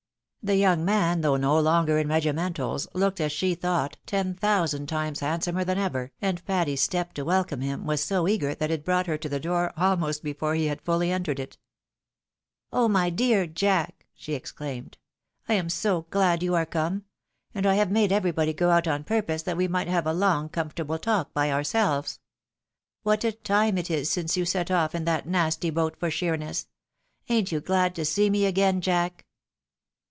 The young man, though no longer in regimentals, looked, as she thought, ten thousand times handsomer than ever, and Patty's step to welcome him, was so eager that it brought her to the door, almost before he had fully entered it. " Oh, my dear Jack !" she exclaimed ;" I am so glad you are come 1 and I have made everybody go out on purpose that we might have a long, comfortable talk by ourselves. What a time it is since you set off in that nasty boat for Sheerness ! Ain't you glad to see me again, Jack?